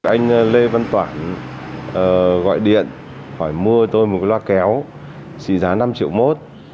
anh lê văn toản gọi điện hỏi mua tôi một cái loa kéo xị giá năm triệu mốt